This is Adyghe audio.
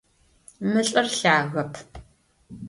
Мы лӏыр лъагэп.